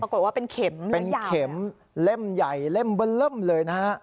ปรากฏว่าเป็นเข็มเป็นเข็มเล่มใหญ่เล่มเบอร์เริ่มเลยนะฮะ